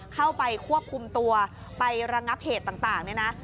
เข้าไปควบคุมตัวไประงับเหตุต่างเนี่ยนะ